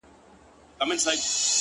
ستا د رخسار خبري ډيري ښې دي ـ